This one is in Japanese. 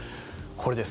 これです。